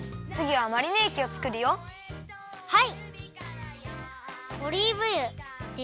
はい。